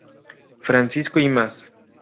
Francisco Imaz.